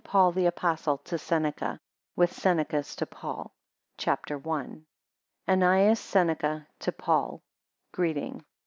PAUL THE APOSTLE TO SENECA, WITH SENECA'S TO PAUL. CHAPTER I. ANNAEUS SENECA to PAUL Greeting.